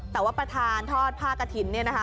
แต่ว่าประธานทอดพลาดกะหิน